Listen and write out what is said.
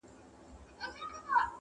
چي زه هم لکه بوډا ورته ګویا سم!